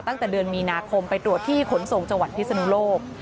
ตั้งแต่เดือนมีนาคมไปตรวจที่ขนส่งจังหวัดพิศนุโลก